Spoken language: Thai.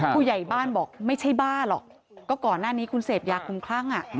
ผู้ใหญ่บ้านบอกไม่ใช่บ้าหรอกก็ก่อนหน้านี้คุณเสพยาคุ้มคลั่ง